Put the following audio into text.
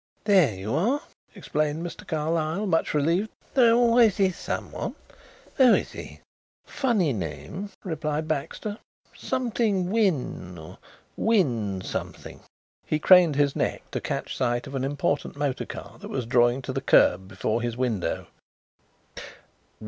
"There you are," explained Mr. Carlyle, much relieved. "There always is someone. Who is he?" "Funny name," replied Baxter. "Something Wynn or Wynn something." He craned his neck to catch sight of an important motor car that was drawing to the kerb before his window.